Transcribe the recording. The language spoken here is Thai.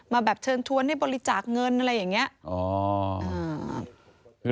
แบบเชิญชวนให้บริจาคเงินอะไรอย่างนี้